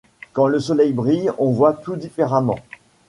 Quand le soleil brille, on voit tout différemment.